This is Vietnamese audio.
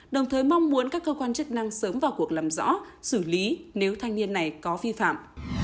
đồng thời mong muốn các cơ quan chức năng sớm vào cuộc làm rõ xử lý nếu thanh niên này có vi phạm